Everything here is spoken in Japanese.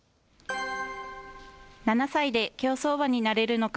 ７歳で競走馬になれるのか。